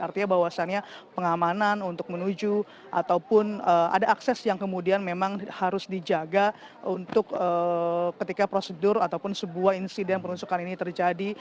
artinya bahwasannya pengamanan untuk menuju ataupun ada akses yang kemudian memang harus dijaga untuk ketika prosedur ataupun sebuah insiden penusukan ini terjadi